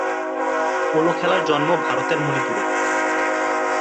Polo খেলার জন্ম ভারতের মণিপুরে।